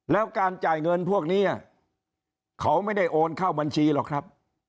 แล้วการจ่ายเงินพวกนี้เขาไม่ได้โอนเข้าบัญชีหรอกครับ